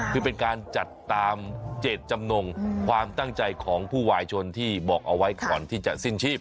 คือเป็นการจัดตามเจตจำนงความตั้งใจของผู้วายชนที่บอกเอาไว้ก่อนที่จะสิ้นชีพ